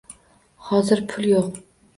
Hozir pul yo`q